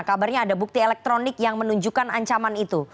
kabarnya ada bukti elektronik yang menunjukkan ancaman itu